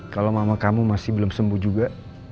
kalau mama kamu masih belum sembuh juga